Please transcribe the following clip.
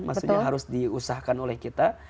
maksudnya harus diusahakan oleh kita